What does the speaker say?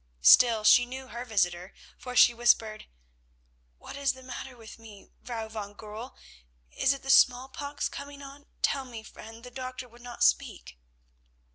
Still she knew her visitor, for she whispered: "What is the matter with me, Vrouw van Goorl? Is it the smallpox coming on? Tell me, friend, the doctor would not speak."